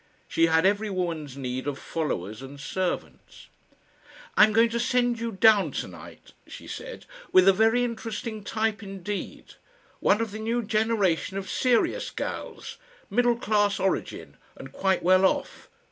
She had every woman's need of followers and servants. "I'm going to send you down to night," she said, "with a very interesting type indeed one of the new generation of serious gals. Middle class origin and quite well off.